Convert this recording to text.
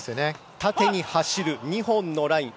縦に走る２本のライン。